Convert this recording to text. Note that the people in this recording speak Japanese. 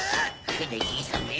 ふでじいさんめ！